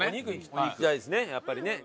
お肉いきたいですねやっぱりね。